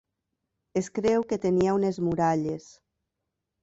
Es creu que tenia unes muralles.